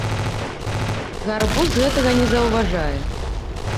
Гарбуз гэтага не заўважае.